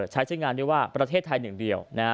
ใช้ชื่องานด้วยว่าประเทศไทย๑เดียวนะ